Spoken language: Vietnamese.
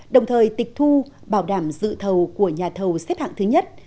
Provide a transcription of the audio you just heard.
đồng thời tịch thu bảo đảm dự thầu của nhà thầu xếp hạng thứ nhất